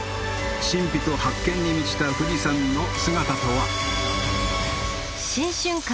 神秘と発見に満ちた富士山の姿とは？